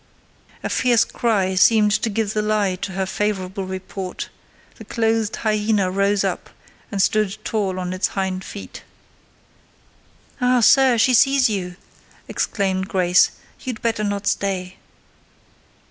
A fierce cry seemed to give the lie to her favourable report: the clothed hyena rose up, and stood tall on its hind feet. "Ah! sir, she sees you!" exclaimed Grace: "you'd better not stay."